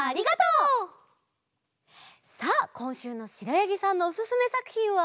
さあこんしゅうのしろやぎさんのおすすめさくひんは。